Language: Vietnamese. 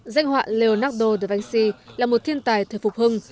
danh họa leonardo da vinci là một thiên tài thể phục hưng